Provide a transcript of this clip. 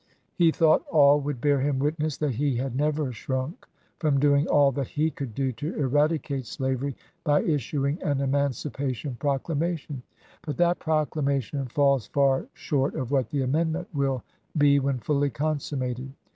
He thought all would bear him witness that he had never shrunk from doing all that he could to eradicate slavery, by issuing an Emancipation Proclamation. But that proclamation falls far short of what the amendment will be when fully consummated.